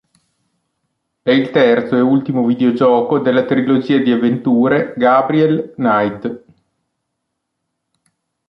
È il terzo e ultimo videogioco della trilogia di avventure "Gabriel Knight".